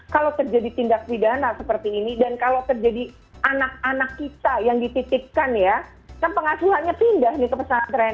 kalau terjadi tindak pidana seperti ini dan kalau terjadi anak anak kita yang dititipkan ya kan pengasuhannya pindah nih ke pesantren